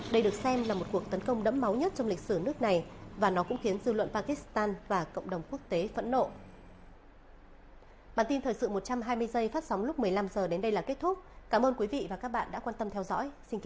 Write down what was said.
đây được xem là một cuộc tấn công đẫm máu nhất trong lịch sử nước này và nó cũng khiến dư luận pakistan và cộng đồng quốc tế phẫn nộ